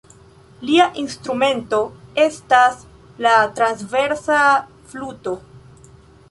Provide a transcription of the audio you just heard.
Lia instrumento estas la transversa fluto.